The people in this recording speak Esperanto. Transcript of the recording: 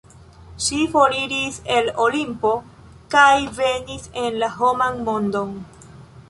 Ŝi foriris el Olimpo kaj venis en la homan mondon.